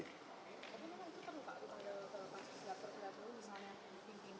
tapi itu kan enggak kalau pak sudah terlepas